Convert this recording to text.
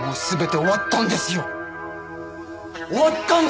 終わったんです！